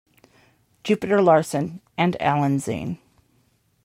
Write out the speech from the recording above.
Jupitter-Larsen and Allan Zane.